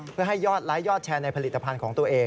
เพื่อให้ยอดไลค์ยอดแชร์ในผลิตภัณฑ์ของตัวเอง